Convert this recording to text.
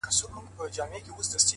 څښل مو تويول مو شرابونه د جلال،